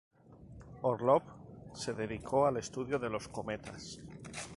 Orlov se dedicó al estudio de los cometas.